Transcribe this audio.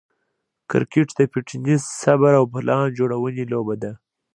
کرکټ د فټنس، صبر، او پلان جوړوني لوبه ده.